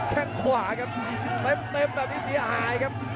แค่งขวาครับเต็มแบบนี้เสียหายครับ